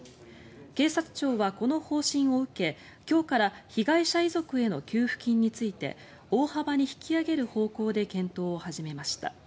警察庁は、この方針を受け今日から被害者遺族への給付金について大幅に引き上げる方向で検討を始めました。